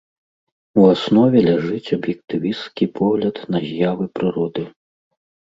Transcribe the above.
У аснове ляжыць аб'ектывісцкі погляд на з'явы прыроды.